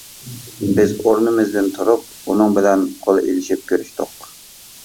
بىز ئورنىمىزدىن تۇرۇپ ئۇنىڭ بىلەن قول ئېلىشىپ كۆرۈشتۇق.